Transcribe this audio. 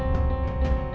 bentar aku panggilnya